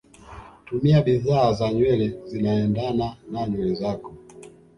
tumia bidhaa za nywele zinaendana na nywele zako